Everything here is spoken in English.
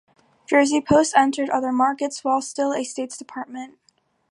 Jersey Post entered other markets while still a States department.